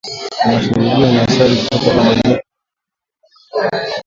Tunashuhudia unyanyasaji kutoka pande zote katika mzozo aliongeza Valentine